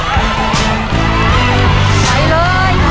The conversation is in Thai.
พิมพ์พิมพ์มาช่วยหน่อยก็ได้นะ